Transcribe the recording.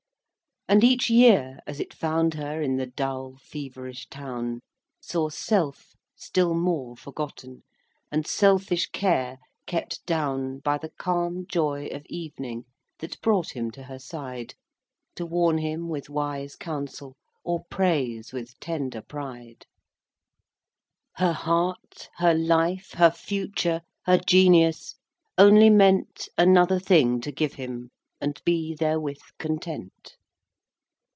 VIII. And each year as it found her In the dull, feverish town, Saw self still more forgotten, And selfish care kept down By the calm joy of evening That brought him to her side, To warn him with wise counsel, Or praise with tender pride. IX. Her heart, her life, her future, Her genius, only meant Another thing to give him, And be therewith content.